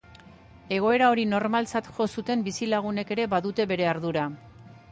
Egoera hori normaltzat jo zuten bizilagunek ere badute bere ardura.